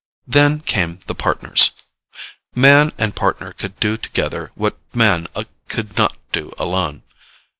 Then came the Partners. Man and Partner could do together what Man could not do alone.